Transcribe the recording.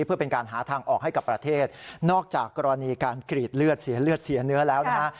เพื่อเป็นการหาทางออกให้กับประเทศนอกจากกรณีการกรีดเลือดเสียเลือดเสียเนื้อแล้วนะฮะ